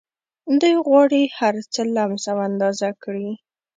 دوی غواړي هرڅه لمس او اندازه کړي